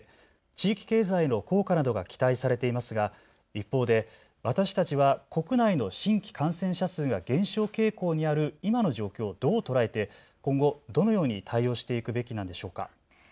地域経済への効果などが期待されていますが一方で私たちは国内の新規感染者数が減少傾向にある今の状況をどう捉えて今後どのように対応していくべきなんでしょうか。